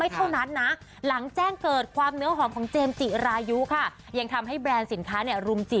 เท่านั้นนะหลังแจ้งเกิดความเนื้อหอมของเจมส์จิรายุค่ะยังทำให้แบรนด์สินค้าเนี่ยรุมจิ